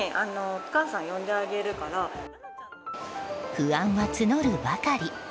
不安は募るばかり。